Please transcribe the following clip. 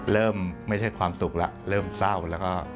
เริ่มไม่ใช่ความสุขแล้วเริ่มเศร้าแล้วก็